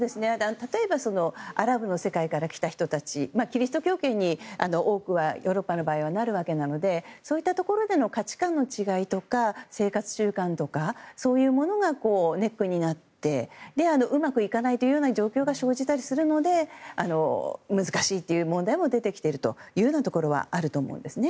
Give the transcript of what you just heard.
例えばアラブの世界から来た人たちヨーロッパの多くはキリスト教圏になるわけなのでそういったところでの価値観の違いとか生活習慣とかそういうものがネックになってうまくいかないというような状況が生じたりするので難しいという問題も出てきているというのはあると思うんです